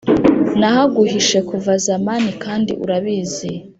nahaguhishe kuva zamani kandi urabizi